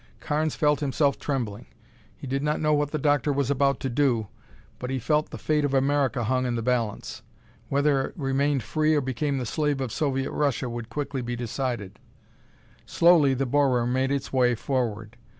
Carnes felt himself trembling. He did not know what the doctor was about to do, but he felt that the fate of America hung in the balance. Whether it remained free or became the slave of Soviet Russia would quickly be decided. Slowly the borer made its way forward.